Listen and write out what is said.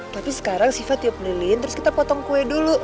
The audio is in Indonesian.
tapi sekarang siva tiap lilin terus kita potong kue dulu